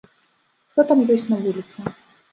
Хто там ёсць на вуліцы?